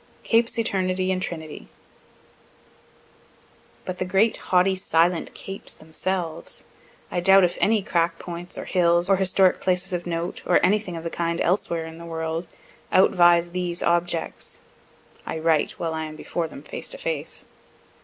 CAPES ETERNITY AND TRINITY But the great, haughty, silent capes themselves; I doubt if any crack points, or hills, or historic places of note, or anything of the kind elsewhere in the world, outvies these objects (I write while I am before them face to face.)